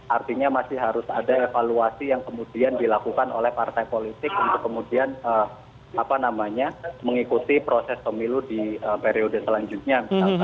artinya masih harus ada evaluasi yang kemudian dilakukan oleh partai politik untuk kemudian mengikuti proses pemilu di periode selanjutnya